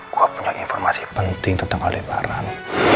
gua punya informasi penting tentang oleh barang